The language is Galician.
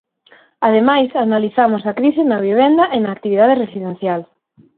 Ademais, analizamos a crise na vivenda e na actividade residencial.